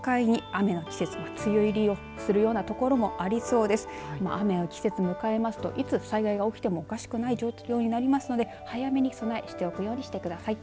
雨の季節を迎えますといつ災害が起きてもおかしくない状況になりますので早めに備えしておくようにしてください。